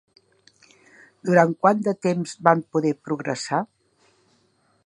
Durant quant de temps van poder progressar?